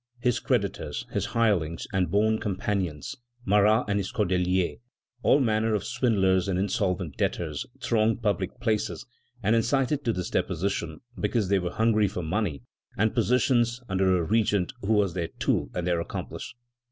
His creditors, his hirelings, and boon companions, Marat and his Cordeliers, all manner of swindlers and insolvent debtors, thronged public places and incited to this deposition because they were hungry for money and positions under a regent who was their tool and their accomplice."